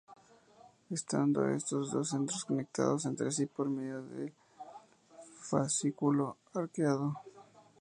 Estando estos dos centros conectados entre sí por medio del fascículo arqueado.